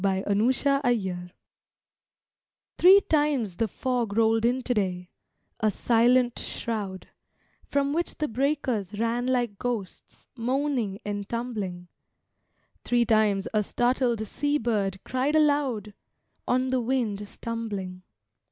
IMPERTURBABLE Three times the fog rolled in today, a silent shroud, From which the breakers ran like ghosts, moaning and tumbling. Three times a startled sea bird cried aloud, On the wind stumbling.